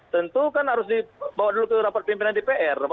tentu kan harus dibawa dulu ke rapat pimpinan dpr